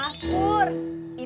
ya udah aku kesini